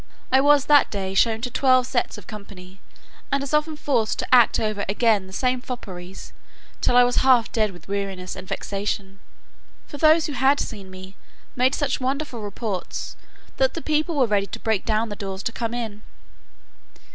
I was that day shown to twelve sets of company, and as often forced to act over again the same fopperies, till I was half dead with weariness and vexation; for those who had seen me made such wonderful reports, that the people were ready to break down the doors to come in.